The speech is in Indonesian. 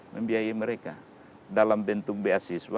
membiayai mereka dalam bentuk beasiswa